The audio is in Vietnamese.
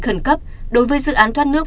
khẩn cấp đối với dự án thoát nước